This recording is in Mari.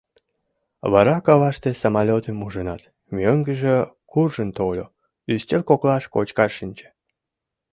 Вара каваште самолетым ужынат, мӧҥгыжӧ куржын тольо, ӱстел коклаш кочкаш шинче.